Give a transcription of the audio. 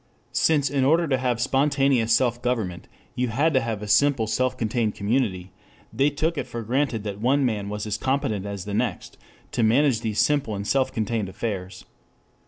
Since in order to have spontaneous self government, you had to have a simple self contained community, they took it for granted that one man was as competent as the next to manage these simple and self contained affairs.